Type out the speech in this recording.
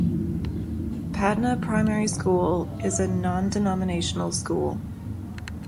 Patna Primary School is a non-denominational school.